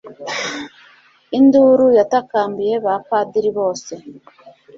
Induru yatakambiye ba Padiri bose